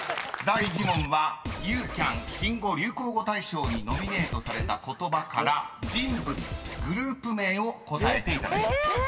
［第１問はユーキャン新語・流行語大賞にノミネートされた言葉から人物グループ名を答えていただきます］